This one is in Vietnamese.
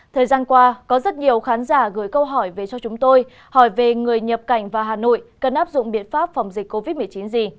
thời gian qua có rất nhiều khán giả gửi câu hỏi về cho chúng tôi hỏi về người nhập cảnh vào hà nội cần áp dụng biện pháp phòng dịch covid một mươi chín gì